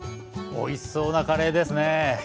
おいしそうなカレーですね。